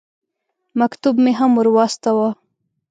مکتوب مې هم ور واستاوه.